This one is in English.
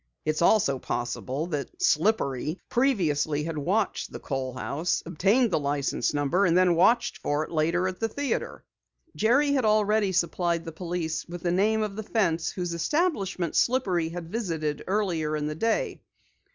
It is also possible that Slippery previously had watched the Kohl house, obtained the car license number, and then watched for it later at the theatre." Jerry already had supplied police with the name of the fence whose establishment Slippery had visited earlier in the day.